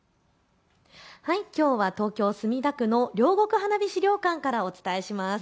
きょうは東京墨田区の両国花火資料館からお伝えします。